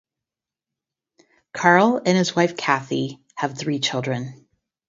Karl and his wife Kathi have three children.